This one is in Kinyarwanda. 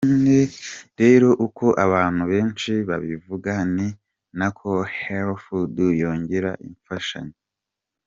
Rero uko abantu benshi babivuga ni nako hellofood yongera imfashanyo.